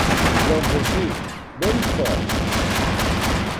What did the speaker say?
-Doncs, així… ben fort!